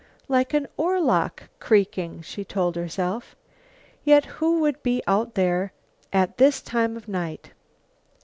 "Like an oarlock creaking," she told herself, "yet who would be out there at this time of night?"